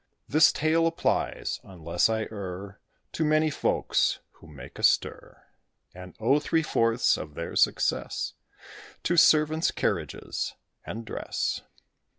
This tale applies, unless I err, To many folks who make a stir; And owe three fourths of their success To servants, carriages, and dress.